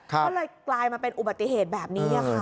ก็เลยกลายมาเป็นอุบัติเหตุแบบนี้ค่ะ